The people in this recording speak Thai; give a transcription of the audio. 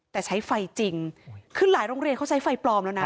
แต่ใช้ไฟจริงคือหลายโรงเรียนเขาใช้ไฟปลอมแล้วนะ